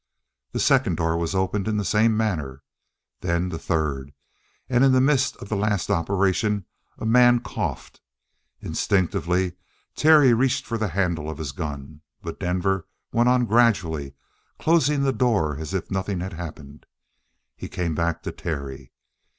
The second door was opened in the same manner. Then the third, and in the midst of the last operation a man coughed. Instinctively Terry reached for the handle of his gun, but Denver went on gradually closing the door as if nothing had happened. He came back to Terry.